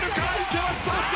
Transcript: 池松壮亮！